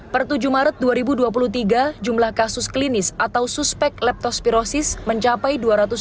per tujuh maret dua ribu dua puluh tiga jumlah kasus klinis atau suspek leptospirosis mencapai dua ratus dua puluh